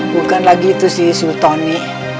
bukan lagi itu sih sultani